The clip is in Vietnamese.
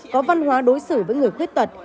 có văn hóa đối xử với người quyết tật